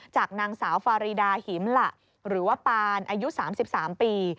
จากนางสาวฟารีดาหิมหละหรือว่าปานอายุ๓๓ปี